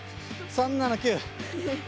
３７９！